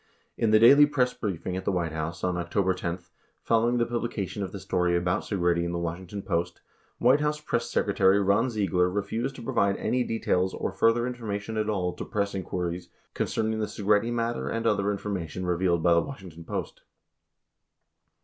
In the daily press briefing at the White House on Octo ber 10, following the publication of the story about Segretti in the Washington Post, White House Press Secretary Ron Ziegler refused to provide any details or further information at all to press inquiries concerning the Segretti matter and other information revealed by the Washington Post.